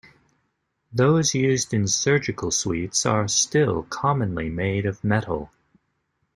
Those used in surgical suites are still commonly made of metal.